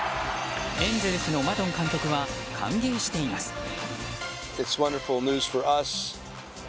エンゼルスのマドン監督は歓迎しています。